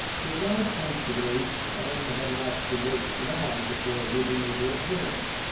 He arrived punctually, and had not to wait long before Ruby made her appearance.